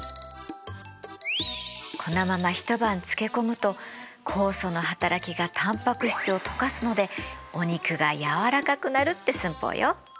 このまま一晩漬け込むと酵素の働きがタンパク質を溶かすのでお肉が柔らかくなるって寸法よ。